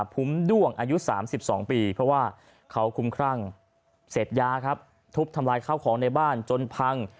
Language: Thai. คุ้มด้วงอายุ๓๒ปีเพราะว่าเขาคุ้มครั่งเสพยาครับทุบทำลายข้าวของในบ้านจนพัง